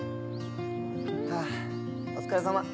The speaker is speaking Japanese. ハァお疲れさま。